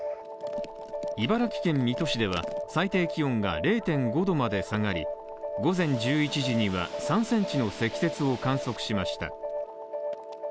茨城県水戸市では最低気温が０．５度まで下がり午前１１時には３ｃｍの積雪を観測しました。